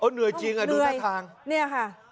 เหนื่อยจริงดูท่าทาง